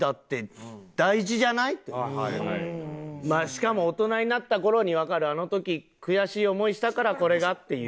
しかも大人になった頃にわかるあの時悔しい思いしたからこれがっていう。